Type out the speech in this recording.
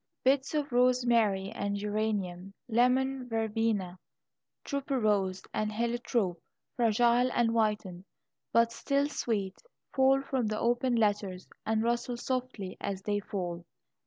Bits of rosemary and geranium, lemon verbena, tuberose, and heliotrope, fragile and whitened, but still sweet, fall from the opened letters and rustle softly as they fall.